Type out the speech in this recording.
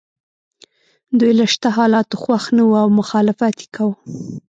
دوی له شته حالاتو خوښ نه وو او مخالفت یې کاوه.